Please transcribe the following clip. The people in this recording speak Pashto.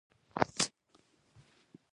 ډیر امن و امان و.